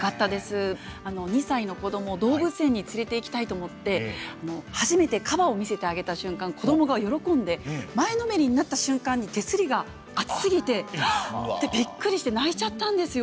２歳の子どもを動物園に連れて行きたいと思って初めてカバを見せてあげた瞬間子どもが喜んで前のめりになった瞬間に手すりが熱すぎて「ハッ！」ってびっくりして泣いちゃったんですよ。